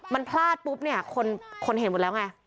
มันพลาดปุ๊บเนี่ยคนเห็นหมดแล้วไง